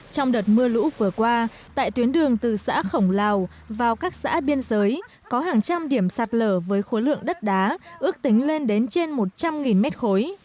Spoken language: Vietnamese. trong đợt mưa lũ vừa qua tại tuyến đường từ xã khổng lào vào các xã biên giới có hàng trăm điểm sạt lở với khối lượng đất đá ước tính lên đến trên một trăm linh mét khối